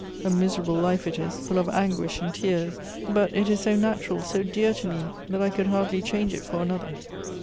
A miserable life it is, full of anguish and tears ; but it is so natural, so dear to me, th.1t I could hardly change it for another."